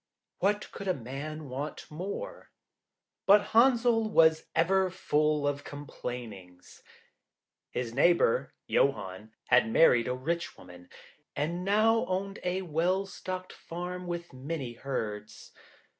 What could a man want more? But Henzel was ever full of complainings. His neighbour, Johann, had married a rich woman, and now owned a well stocked farm with many herds.